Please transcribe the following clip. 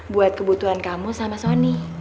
buat kebutuhan kamu sama sony